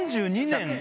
１３２年。